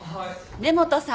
根本さん。